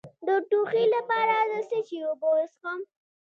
د ټوخي لپاره د څه شي اوبه وڅښم؟